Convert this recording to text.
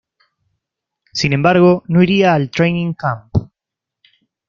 Sin embargo, no iría al training camp.